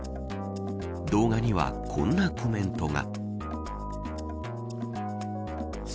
動画にはこんなコメントが。